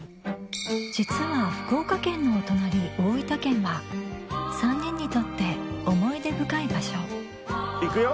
実は福岡県のお隣大分県は３人にとって思い出深い場所いくよ。